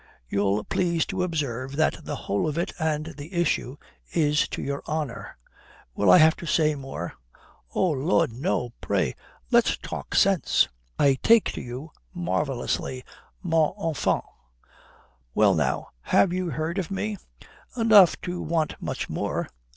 You'll please to observe that the whole of it, and the issue, is to your honour. Will I have to say more?" "Oh Lud, no. Pray, let's talk sense." "I take to you marvellously, mon enfant. Well now, have you heard of me?" "Enough to want much more."